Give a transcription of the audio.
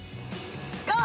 ゴー！